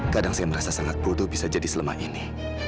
kadang saya merasa sangat butuh bisa jadi selama ini